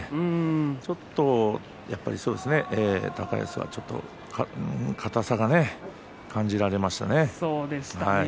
ちょっと高安は硬さが感じられましたね。